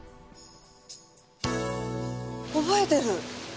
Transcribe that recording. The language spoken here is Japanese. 覚えてる。